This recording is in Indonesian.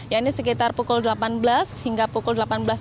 ya ini sekitar pukul delapan belas hingga pukul delapan belas tiga puluh